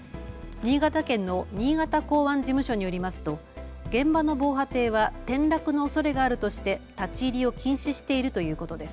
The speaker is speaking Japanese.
新潟県の新潟港湾事務所によりますと現場の防波堤は転落のおそれがあるとして立ち入りを禁止しているということです。